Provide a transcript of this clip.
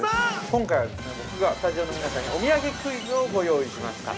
今回は、僕がスタジオの皆さんにお土産のクイズをご用意しました。